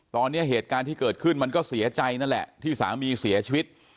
ตอนนี้เหตุการณ์ที่เกิดขึ้นมันก็เสียใจนั่นแหละที่สามีเสียชีวิต